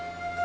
udah gak bisa